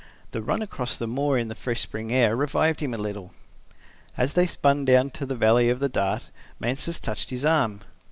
The run across the moor in the fresh spring air revived him a little. As they spun down to the valley of the Dart, Mansus touched his arm.